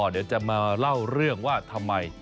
เดี๋ยวจะมาเล่าเรื่องว่าทำไม